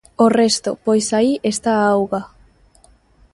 O resto, pois aí está a auga.